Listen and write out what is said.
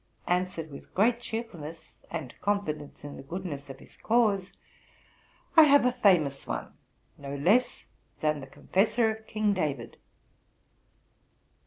'" answered with great cheer fulness, and confidence in the goodness of his cause, '* I have a famous one, —no less than the confessor of King David."